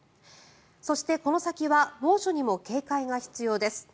そして、この先は猛暑にも警戒が必要です。